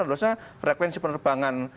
harusnya frekuensi penerbangan